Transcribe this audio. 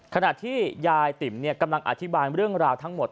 ขณะที่ยายติ๋มกำลังอธิบายเรื่องราวทั้งหมด